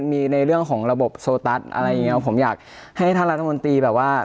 มีในเรื่องของระบบโซตัสอะไรอย่างเงี้ยผมอยากให้ท่านรัฐมนตรีแบบว่า